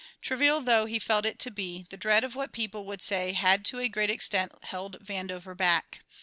Trivial though he felt it to be, the dread of what people would say had to a great extent held Vandover back.